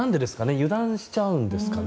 油断しちゃうんですかね。